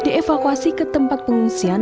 dievakuasi ke tempat pengungsian